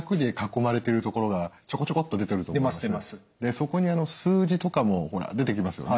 そこに数字とかも出てきますよね。